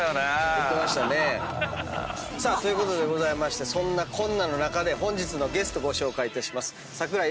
言ってましたね。ということでそんなこんなの中で本日のゲストご紹介いたします。